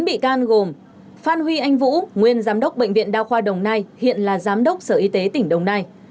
bốn bị can gồm phan huy anh vũ nguyên giám đốc bệnh viện đa khoa đồng nai hiện là giám đốc sở y tế tỉnh đồng nai